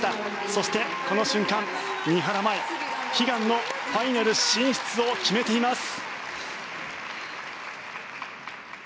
そしてこの瞬間、三原舞依悲願のファイナル進出を決めています。